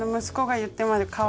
息子が言ってます。